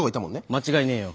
間違いねえよ。